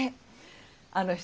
あの人